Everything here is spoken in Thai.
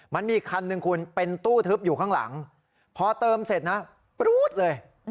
มันมีอีกคันหนึ่งคุณเป็นตู้ทึบอยู่ข้างหลังพอเติมเสร็จนะปรู๊ดเลย